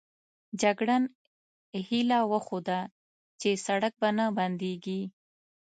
جګړن هیله وښوده چې سړک به نه بندېږي.